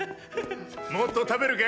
もっと食べるか？